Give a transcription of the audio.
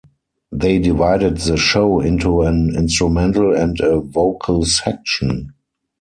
They divided the show into an instrumental and a vocal section.